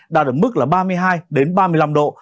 đã được mức là ba mươi hai ba mươi năm độ